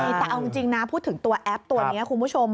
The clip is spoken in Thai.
แต่เอาจริงนะพูดถึงตัวแอปตัวนี้คุณผู้ชม